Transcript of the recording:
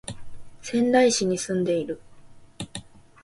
仙台市に住んでいる